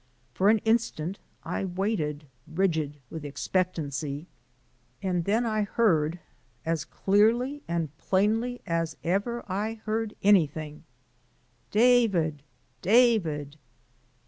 For an instant I waited, rigid with expectancy. And then I heard as clearly and plainly as ever I heard anything: "David! David!"